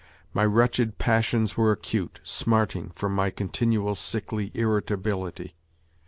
My wretched passions were acute, smarting, from my continual, sickly irritability.